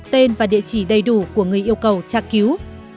tên và địa chỉ đầy đủ của người yêu cầu tra cứu